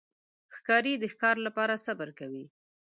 ښکاري د ښکار لپاره صبر کوي.